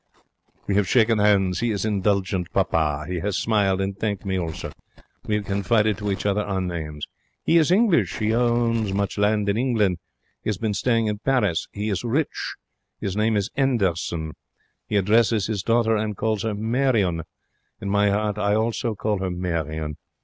We have shaken hands. He is indulgent papa. He has smiled and thanked me also. We have confided to each other our names. He is English. He owns much land in England. He has been staying in Paris. He is rich. His name is 'Enderson. He addresses his daughter, and call her Marion. In my 'eart I also call her Marion.